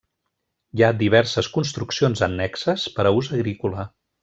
Hi ha diverses construccions annexes per a ús agrícola.